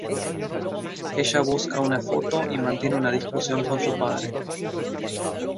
Ella busca una foto y mantiene una discusión con su padre.